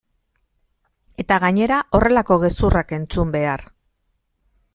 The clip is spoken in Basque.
Eta gainera horrelako gezurrak entzun behar!